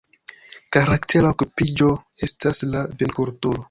Karaktera okupiĝo estas la vinkulturo.